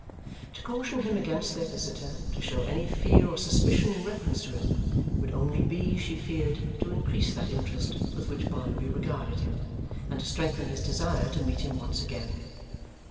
To caution him against their visitor, to show any fear or suspicion in reference to him, would only be, she feared, to increase that interest with which Barnaby regarded him, and to strengthen his desire to meet him once again.